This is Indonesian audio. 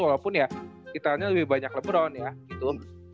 walaupun ya kita lebih banyak lebron ya gitu